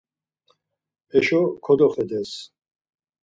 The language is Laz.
Heşo kodoxedes.